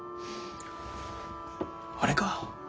あれか？